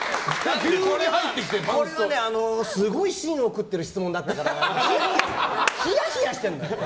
これがすごい芯を食ってる質問だったからひやひやしてるのよ。